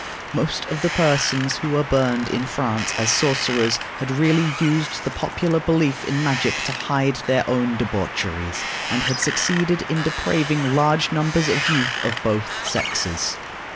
Most of the persons who were burned in France as sorcerers had really used the popular belief in magic to hide their own debaucheries, and had succeeded in depraving large numbers of youth of both sexes.